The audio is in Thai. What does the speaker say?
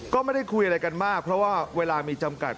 ก็ไม่ได้คุยอะไรกันมากเพราะว่าเวลามีจำกัด